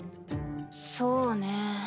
そうね